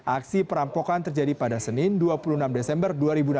aksi perampokan terjadi pada senin dua puluh enam desember dua ribu enam belas